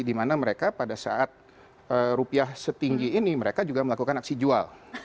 di mana mereka pada saat rupiah setinggi ini mereka juga melakukan aksi jual